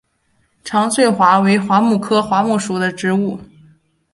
长穗桦是桦木科桦木属的植物。